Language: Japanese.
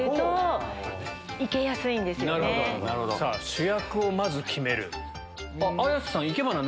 主役をまず決める。